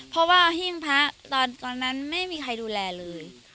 เพราะว่าหิ้งพระตอนนั้นไม่มีใครดูแลเลย